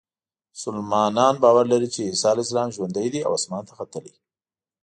مسلمانان باور لري چې عیسی علیه السلام ژوندی دی او اسمان ته ختلی.